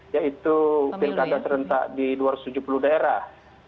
yaitu pilkada serentak di dua ratus tujuh puluh daerah